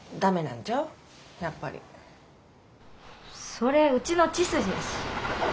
それうちの血筋やし。